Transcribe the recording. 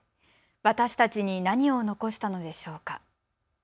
私たちに何を残したのでしょうか。